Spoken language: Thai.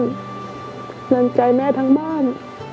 กำลังใจแม่ทั้งบ้าน